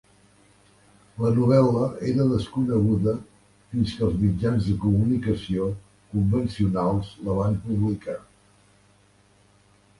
La novel·la era desconeguda fins que els mitjans de comunicació convencionals la van publicar.